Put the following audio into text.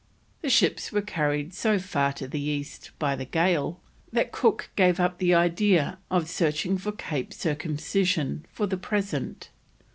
The ships were carried so far to the east by the gale, that Cook gave up the idea of searching for Cape Circumcision for the present.